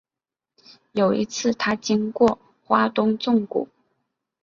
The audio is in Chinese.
有一次他经过花东纵谷